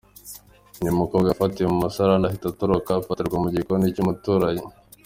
Ngo uyu mukobwa yafatiwe mu musarani ahita atoroka afatirwa mu gikoni cy’umuturanyi.